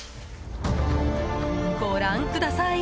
ご覧ください！